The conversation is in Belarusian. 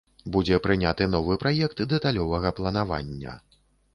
Будзе прыняты новы праект дэталёвага планавання.